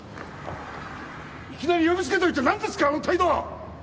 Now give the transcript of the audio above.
いきなり呼びつけといて何ですかあの態度は！？